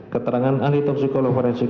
keterangan ahli toksikologi forensik